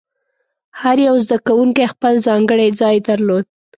هر یو زده کوونکی خپل ځانګړی ځای درلود.